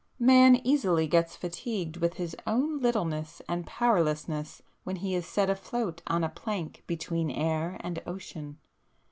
—man easily gets fatigued with his own littleness and powerlessness when he is set afloat on a plank between air and ocean.